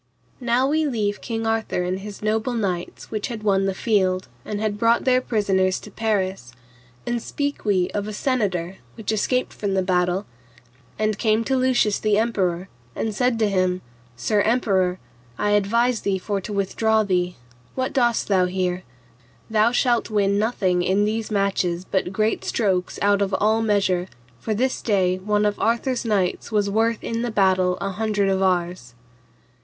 Now leave we King Arthur and his noble knights which had won the field, and had brought their prisoners to Paris, and speak we of a senator which escaped from the battle, and came to Lucius the emperor, and said to him, Sir emperor, I advise thee for to withdraw thee; what dost thou here? thou shalt win nothing in these marches but great strokes out of all measure, for this day one of Arthur's knights was worth in the battle an hundred of ours.